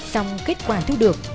xong kết quả thu được